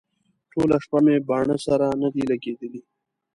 ټوله شپه مې باڼه سره نه دي لګېدلي.